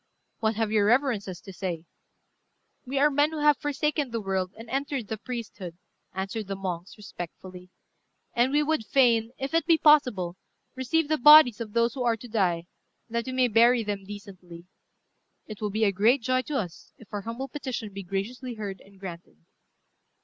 "What have your reverences to say?" "We are men who have forsaken the world and entered the priesthood," answered the monks, respectfully; "and we would fain, if it be possible, receive the bodies of those who are to die, that we may bury them decently. It will be a great joy to us if our humble petition be graciously heard and granted."